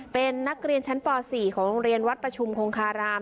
เป็นนักเรียนชั้นป๔ของโรงเรียนวัดประชุมคงคาราม